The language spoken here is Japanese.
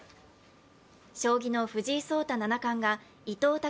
将棋の藤井聡太七冠が伊藤匠